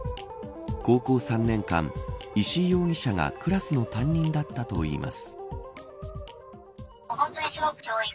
高校３年間石井容疑者がクラスの担任だったといいます。